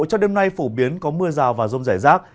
cho đêm nay phổ biến có mưa rào và rông rải rác